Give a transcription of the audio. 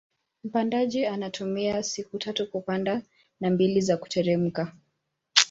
Mpandaji anatumia siku tatu kupanda na mbili za kuteremka